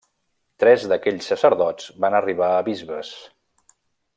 Tres d'aquells sacerdots van arribar a Bisbes.